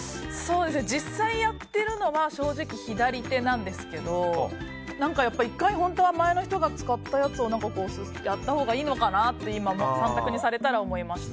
実際やってるのは正直、左手なんですけど何か、１回前の人が使ったやつをやったほうがいいのかなって３択にされたら、思いました。